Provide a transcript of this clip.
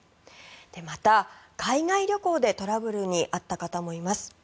また、海外旅行でトラブルに遭った方もいます。